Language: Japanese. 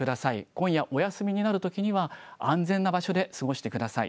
今夜お休みになるときには、安全な場所で過ごしてください。